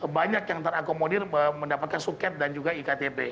jadi banyak yang terakomodir mendapatkan suket dan juga iktp